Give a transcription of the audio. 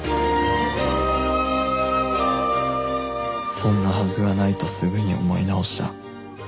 そんなはずがないとすぐに思い直した